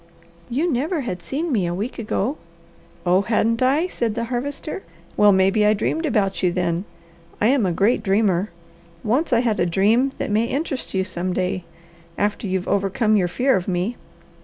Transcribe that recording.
"You never had seen me a week ago." "Oh hadn't I?" said the Harvester. "Well maybe I dreamed about you then. I am a great dreamer. Once I had a dream that may interest you some day, after you've overcome your fear of me.